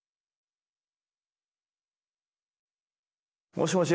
「もしもし。